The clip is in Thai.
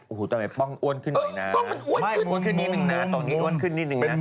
โอ้โหตอนนี้ป้องอ้วนขึ้นหน่อยนะตรงนี้อ้วนขึ้นนิดหนึ่งนะสามี